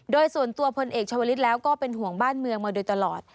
โดยส่วนตัวพลเอกชาวลิศแล้วก็เป็นห่วงบ้านเมืองมาโดยตลอด